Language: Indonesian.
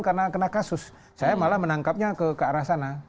karena kasus saya malah menangkapnya ke arah sana